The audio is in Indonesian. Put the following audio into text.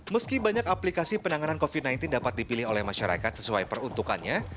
meski banyak aplikasi penanganan covid sembilan belas dapat dipilih oleh masyarakat sesuai peruntukannya